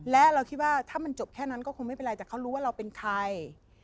และเราคิดว่าถ้ามันจบแค่นั้นก็คงไม่เป็นไรแต่เขารู้ว่าเราเป็นใคร